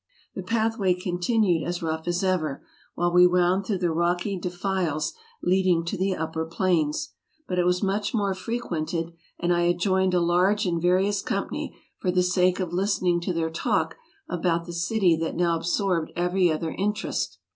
The pathway continued as rough as ever, while we wound through the rocky denies leading to the upper plains; but it was much more frequented, and I had joined a large and various company for the sake of listening to their talk about the city that now absorbed every other interest.